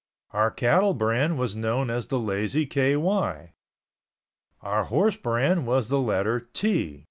Our cattle brand was known as the Lazy KY. Our horse brand was the letter "T."